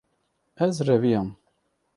Ez reviyam.